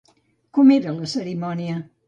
Com era la cerimònia?